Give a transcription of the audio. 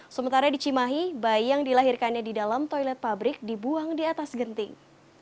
sementara di cimahi bayi yang dilahirkannya di dalam toilet pabrik dibuang di atas genting